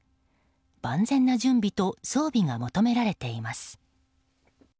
万全な準備と装備が求められています。